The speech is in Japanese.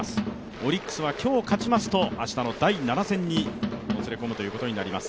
オリックスは今日、勝ちますと、明日の第７戦にもつれ込むということになります。